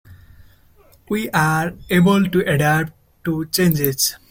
We are able to adapt to changes.